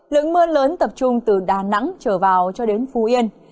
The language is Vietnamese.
lượng mưa lớn tập trung từ đà nẵng trở vào cho đến phú yên